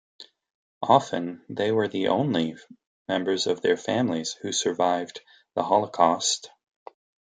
Often they were the only members of their families who survived the Holocaust.